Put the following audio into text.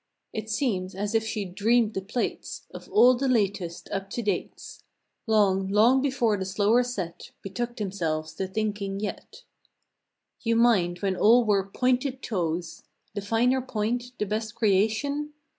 It seems as if she dreamed the plates Of all the latest "up to dates" Long, long before the slower set Betook themselves to thinking, yet. You mind when all wore "pointed toes," The finer point, the best creation